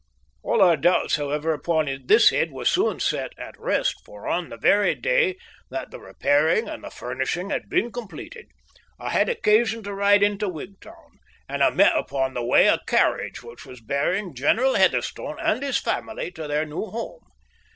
All our doubts, however, upon this head were very soon set at rest, for on the very day that the repairing and the furnishing had been completed I had occasion to ride into Wigtown, and I met upon the way a carriage which was bearing General Heatherstone and his family to their new home.